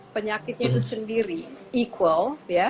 penyakitnya itu sendiri equal